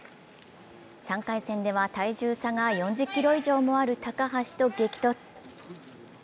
３回戦では体重差が４０ｋｇ以上もある高橋と激突。